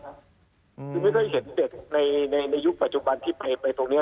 คือไม่ค่อยเห็นเด็กในยุคปัจจุบันที่เพจไปตรงนี้